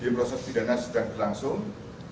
proses pidana sedang berlangsung